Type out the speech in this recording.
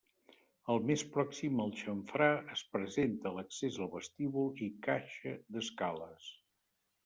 Al més pròxim al xamfrà es presenta l'accés al vestíbul i caixa d'escales.